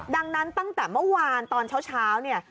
ดังนั้นตั้งแต่เมื่อวานตอนเช้าเนี่ย